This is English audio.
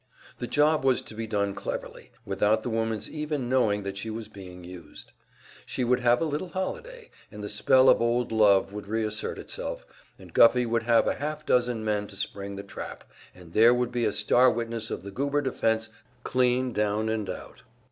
The job was to be done cleverly, without the woman's even knowing that she was being used. She would have a little holiday, and the spell of old love would reassert itself, and Guffey would have a half dozen men to spring the trap and there would be a star witness of the Goober defense clean down and out!